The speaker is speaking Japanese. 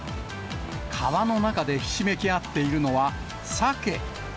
川の中でひしめき合っているのは、サケ。